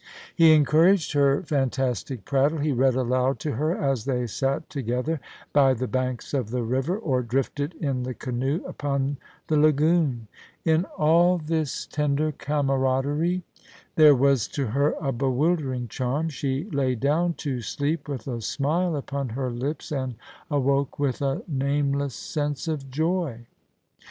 He encouraged her fantastic prattle; he read aloud to her as they sat together by the banks of the river, or drifted in the canoe upon the lagoon. In all this tender camaraderU ON THE LAGOON. 125 there was to her a bewildering charm. She lay down to sleep with a smile upon her lips, and awoke with a nameless sense of joy.